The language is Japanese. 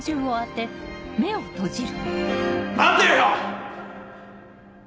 待てよ！